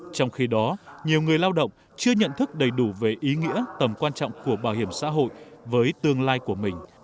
trong khi đó nhiều người lao động chưa nhận thức đầy đủ về ý nghĩa tầm quan trọng của bảo hiểm xã hội với tương lai của mình